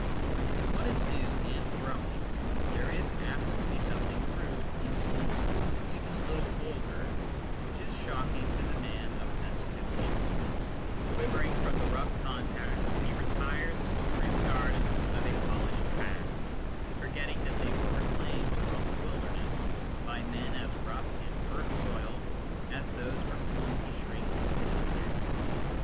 In what is new and growing there is apt to be something crude, insolent, even a little vulgar, which is shocking to the man of sensitive taste ; quivering from the rough contact, he retires to the trim gardens of a polished past, forgetting that they were reclaimed from the wilderness by men as rough and earth soiled as those from whom he shrinks in his own day.